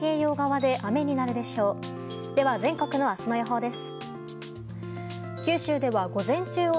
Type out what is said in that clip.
では、全国の明日の予報です。